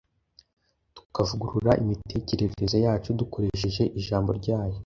tukavugurura imitekerereze yacu dukoresheje Ijambo ryayo.